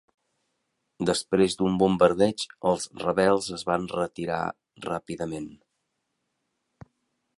Després d'un bombardeig, els rebels es van retirar ràpidament.